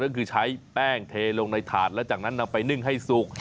ก็คือใช้แป้งเทลงในถาดแล้วจากนั้นนำไปนึ่งให้สุก